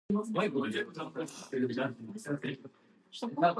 Abu Muhammad year of birth is unknown.